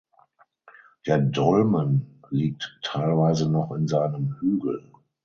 Der Dolmen liegt teilweise noch in seinem Hügel.